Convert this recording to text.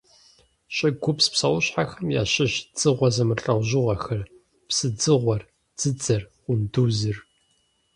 ЩӀыгупс псэущхьэхэм ящыщщ дзыгъуэ зэмылӀэужьыгъуэхэр: псыдзыгъуэр, дзыдзэр, къундузыр.